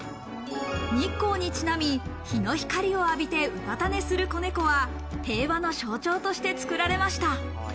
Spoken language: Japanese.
日光にちなみ、日の光を浴びて、うたた寝する子猫は平和の象徴として、つくられました。